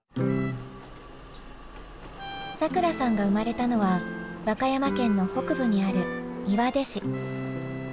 さくらさんが生まれたのは和歌山県の北部にある岩出市。